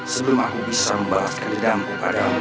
sebelum aku bisa membalaskan redamku padamu